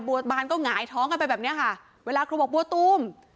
บานก็หงายท้องกันไปแบบเนี้ยค่ะเวลาครูบอกบัวตูม